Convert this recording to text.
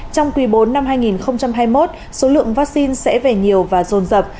trong quý bốn năm hai nghìn hai mươi một số lượng vaccine sẽ về nhiều và rồn rập